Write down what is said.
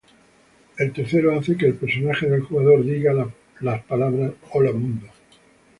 El tercero hace que el personaje del jugador "diga" las palabras "Hola Mundo".